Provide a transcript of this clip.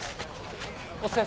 お疲れ。